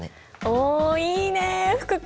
おいいねえ福君！